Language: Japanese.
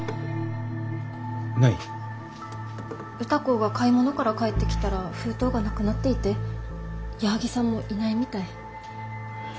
歌子が買い物から帰ってきたら封筒がなくなっていて矢作さんもいないみたい。